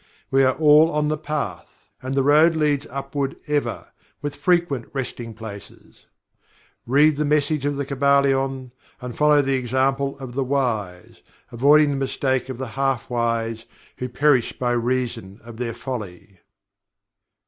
We are all on The Path and the road leads upward ever, with frequent resting places. Read the message of The Kybalion and follow the example of "the wise" avoiding the mistake of "the half wise" who perish by reason of their folly.